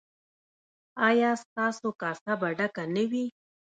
ایا ستاسو کاسه به ډکه نه وي؟